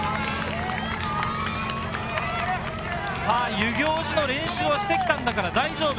遊行寺の練習はしてきたんだから大丈夫。